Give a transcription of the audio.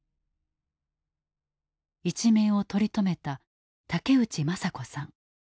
一命を取り留めた竹内正子さん。